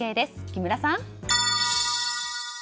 木村さん。